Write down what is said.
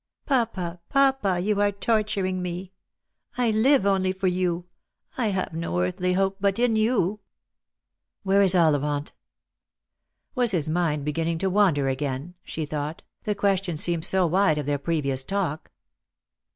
" Papa, papa, you are torturing me ! I live only for you — I have no earthly hope but in you !" "Where is Ollivant?" Was his mind beginning to wander again ? she thoaght, the question seemed so wide of their previous talk.